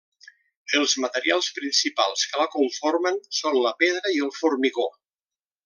Els materials principals que la conformen són la pedra i el formigó.